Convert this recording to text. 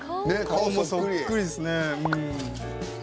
「顔もそっくりですね」